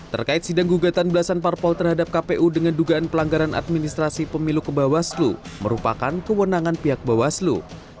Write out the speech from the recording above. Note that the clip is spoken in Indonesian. terkait sidang gugatan belasan parpol terhadap kpu dengan dugaan pelanggaran administrasi pemilu ke bawaslu merupakan kewenangan pihak bawaslu